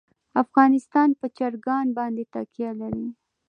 افغانستان په چرګان باندې تکیه لري.